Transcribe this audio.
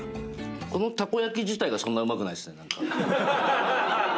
このたこ焼き自体がそんなうまくないっすね。